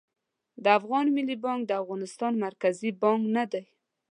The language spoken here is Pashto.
د افغان ملي بانک د افغانستان مرکزي بانک نه دي